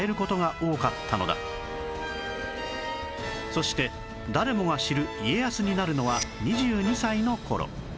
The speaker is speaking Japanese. そして誰もが知る家康になるのは２２歳の頃